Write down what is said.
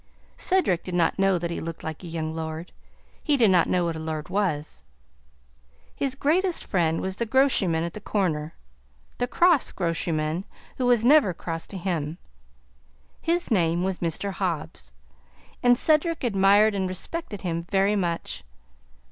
Cedric did not know that he looked like a young lord; he did not know what a lord was. His greatest friend was the groceryman at the corner the cross groceryman, who was never cross to him. His name was Mr. Hobbs, and Cedric admired and respected him very much.